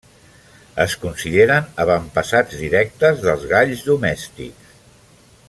Es consideren avantpassats directes dels galls domèstics.